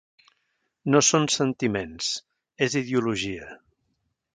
No són sentiments, és ideologia.